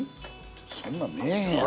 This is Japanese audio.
そんなん見えへんやろ。